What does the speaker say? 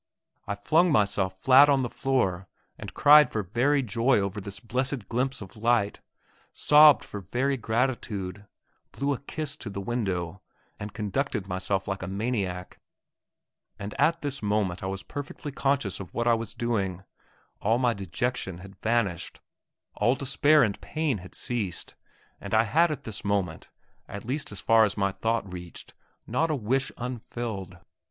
I flung myself flat on the floor and cried for very joy over this blessed glimpse of light, sobbed for very gratitude, blew a kiss to the window, and conducted myself like a maniac. And at this moment I was perfectly conscious of what I was doing. All my dejection had vanished; all despair and pain had ceased, and I had at this moment, at least as far as my thought reached, not a wish unfilled.